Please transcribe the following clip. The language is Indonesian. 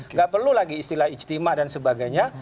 nggak perlu lagi istilah ijtima dan sebagainya